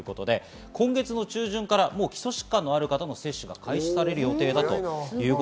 今月中旬から基礎疾患のある人の接種が開始される予定です。